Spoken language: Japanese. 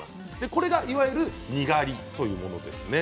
これが、いわゆるにがりというものですね。